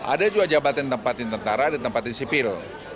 ada juga jabatan tempatin tentara dan tempatin sipil